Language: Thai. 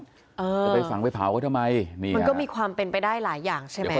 จะไปฝังไปเผาเขาทำไมนี่มันก็มีความเป็นไปได้หลายอย่างใช่ไหม